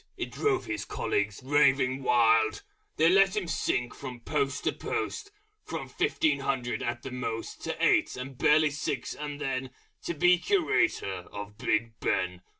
It drove his Colleagues raving wild! They let him sink from Post to Post, From fifteen hundred at the most To eight, and barely six and then To be Curator of Big Ben!...